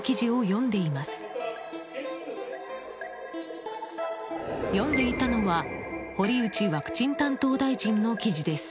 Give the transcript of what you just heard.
読んでいたのは堀内ワクチン担当大臣の記事です。